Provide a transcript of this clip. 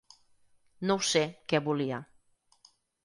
No ho sé, què volia.